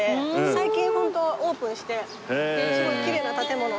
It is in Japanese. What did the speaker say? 最近ホントオープンしてすごいきれいな建物になって。